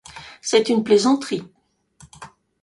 C’est une plaisanterie !